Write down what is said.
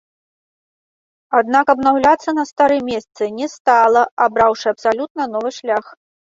Аднак аднаўляцца на старым месцы не стала, абраўшы абсалютна новы шлях.